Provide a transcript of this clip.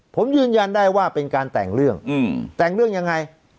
ผมยืนยันได้ว่าเป็นการแต่งเรื่องแต่งเรื่องยังไง